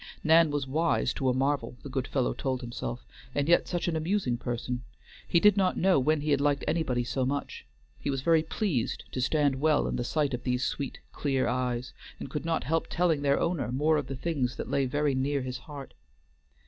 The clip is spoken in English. Nan was wise to a marvel, the good fellow told himself, and yet such an amusing person. He did not know when he had liked anybody so much; he was very glad to stand well in the sight of these sweet, clear eyes, and could not help telling their owner some of the things that lay very near his heart.